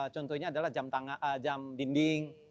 contohnya adalah jam dinding